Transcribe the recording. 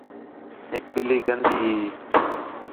ہِک ٻِلّھی گندی ہیں